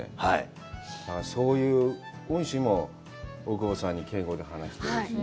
そういう恩師も大久保さんに敬語で話しているし。